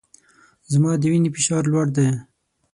زما د وینې فشار لوړ دی